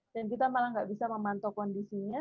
dan kita malah enggak bisa memantau kondisinya